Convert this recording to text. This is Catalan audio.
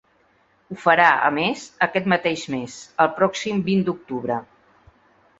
Ho farà, a més, aquest mateix mes, el pròxim vint d’octubre.